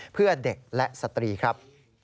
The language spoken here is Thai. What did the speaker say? เพื่อเด็กและสตรีครับ